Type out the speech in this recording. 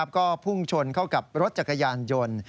ก็พุ่งชนเข้ากับรถจักรยานยนต์